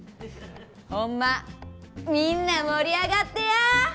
ほんまみんな盛り上がってや！